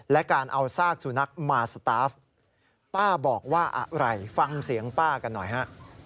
และการเอาซากสุนัขมาสตาฟป้าบอกว่าอะไรฟังเสียงป้ากันหน่อยฮะ